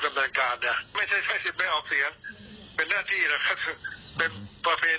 มันไม่ใช่นะครับ